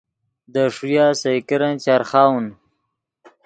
دے ݰویہ سئے کرن چرخاؤن